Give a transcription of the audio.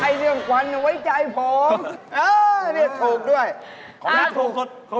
ไอ้เรื่องกวันไว้ใจผม